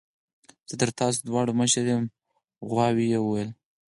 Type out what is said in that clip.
زه تر تاسو دواړو مشر یم غوايي وویل.